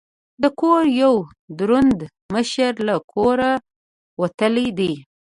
د کور یو دروند مشر له کوره وتلی دی.